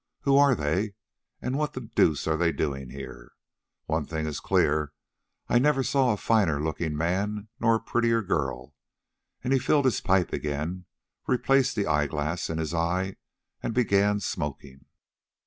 Who are they, and what the deuce are they doing here? One thing is clear: I never saw a finer looking man nor a prettier girl." And he filled his pipe again, replaced the eyeglass in his eye, and began smoking.